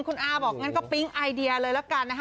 คุณอาบอกงั้นก็ปิ๊งไอเดียเลยละกันนะคะ